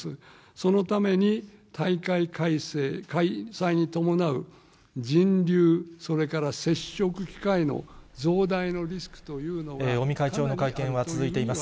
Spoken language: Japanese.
そのために、大会開催に伴う人流、それから接触機会の増大のリスクというのは。尾身会長の会見は続いています。